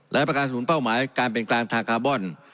และประการสนุนเป้าหมายการเป็นกลางทางคาร์บอน